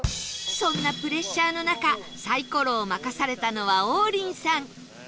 そんなプレッシャーの中サイコロを任されたのは王林さん